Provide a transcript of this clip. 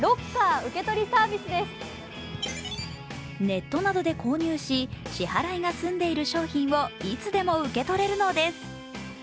ネットなどで購入し支払いが済んでいる商品をいつでも受け取れるのです。